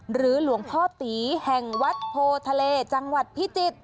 หลวงพ่อตีแห่งวัดโพทะเลจังหวัดพิจิตร